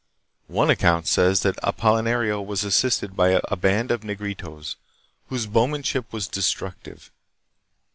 One account says that Apolinario was assisted by a band of Negritos, whose bowmanship was destructive.